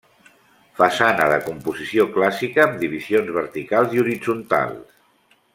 Façana de composició clàssica amb divisions verticals i horitzontals.